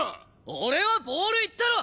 俺はボールいったろ！